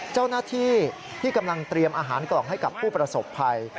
เจ้าหน้าที่ที่กำลังเตรียมอาหารกล่องให้กับผู้ประสบภัย